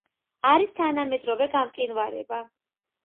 არის თანამედროვე გამყინვარება.